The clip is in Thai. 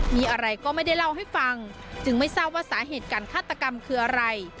มีอะไรก็ไม่ได้เล่าให้ฟังจึงไม่ทราบว่าสาเหตุการฆาตกรรมคืออะไร